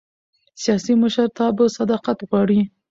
سیاسي مشرتابه صداقت غواړي